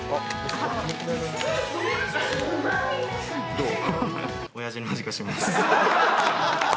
どう？